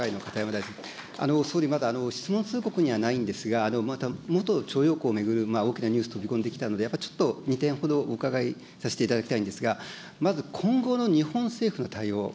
総理、まだ、質問通告にはないんですが、元徴用工を巡る大きなニュース飛び込んできたので、やっぱりちょっと２点ほどお伺いさせていただきたいんですが、まず今後の日本政府の対応。